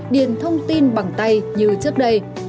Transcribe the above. điền thông tin bằng tay như trước đây